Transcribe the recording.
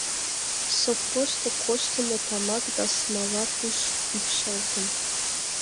Соппошто коштымо тамак да смола пуш ӱпшалтын.